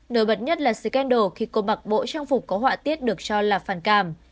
nổi bật nhất là scandal khi cô mặc bộ trang phục có họa tiết được cho là phản cảm